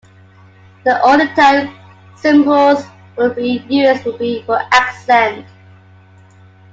The only time cymbals would be used would be for accent.